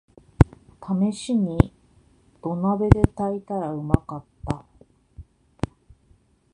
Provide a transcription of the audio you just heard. ためしに土鍋で炊いたらうまかった